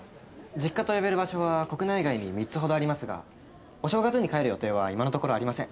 実家と呼べる場所は国内外に３つほどありますがお正月に帰る予定は今のところありません。